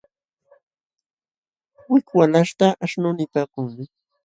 Wik walaśhta aśhnu nipaakunmi.